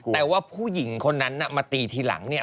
แต่ว่าผู้หญิงคนนั้นมาตีทีหลังเนี่ย